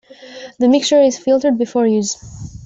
The mixture is filtered before use.